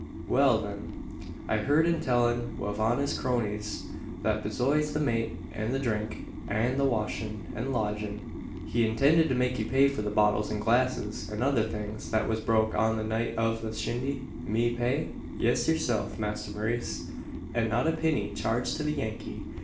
"Will, thin; I heerd him tellin' wan av his croneys that besoides the mate an the dhrink, an the washin', an lodgin', he intinded to make you pay for the bottles, and glasses, an other things, that was broke on the night av the shindy." "Me pay?" "Yis, yerself, Masther Maurice; an not a pinny charged to the Yankee.